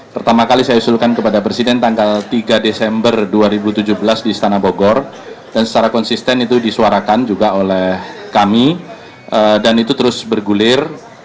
pertama kali saya usulkan kepada presiden tanggal tiga desember dua ribu tujuh belas di istana bogor dan secara konsisten itu disuarakan juga oleh kami dan itu terus bergulir